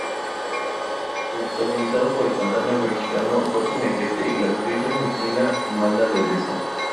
Protagonizada por el cantante mexicano Jorge Negrete y la actriz argentina Amanda Ledesma.